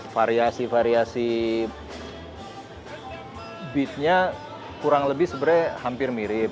variasi variasi beatnya kurang lebih sebenarnya hampir mirip